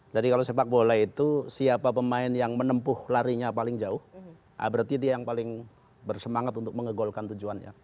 kalau sepak bola itu siapa pemain yang menempuh larinya paling jauh berarti dia yang paling bersemangat untuk mengegolkan tujuannya